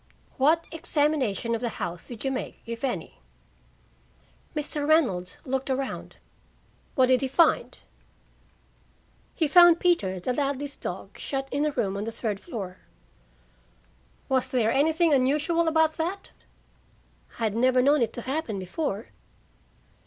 "What examination of the house did you make if any?" "Mr. Reynolds looked around." "What did he find?" "He found Peter, the Ladleys' dog, shut in a room on the third floor." "Was there anything unusual about that?" "I had never known it to happen before."